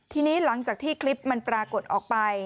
ทีนี้หลังจากที่คลิปมันปรากฏออกไป